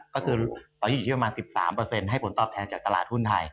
ก็คือตอนนี้อยู่ที่ประมาณ๑๓ให้ผลตอบแทนจากตลาดหุ้นไทย